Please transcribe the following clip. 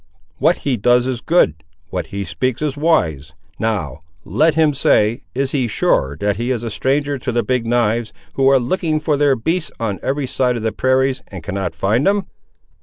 What he does is good; what he speaks is wise. Now let him say, is he sure that he is a stranger to the Big knives, who are looking for their beasts on every side of the prairies and cannot find them?"